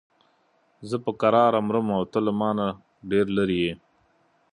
زه په کراره مرم او ته له مانه ډېر لرې یې.